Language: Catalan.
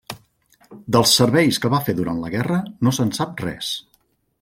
Dels serveis que va fer durant la guerra no se'n sap res.